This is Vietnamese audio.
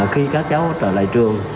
khi các cháu trở lại trường